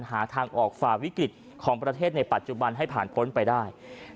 หาทางออกฝ่าวิกฤตของประเทศในปัจจุบันให้ผ่านพ้นไปได้